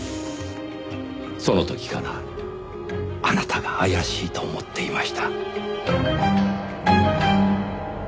その時からあなたが怪しいと思っていました。